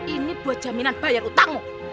ini buat jaminan bayar utangmu